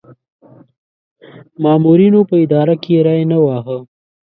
مامورینو په اداره کې ری نه واهه.